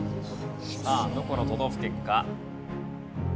さあどこの都道府県か。